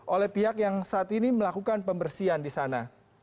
oleh pihak yang saat ini melakukan pembersihan di sana